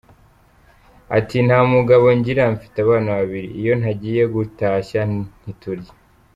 Ati“ Nta mugabo ngira mfite abana babiri , iyo ntagiye gutashya ntiturya.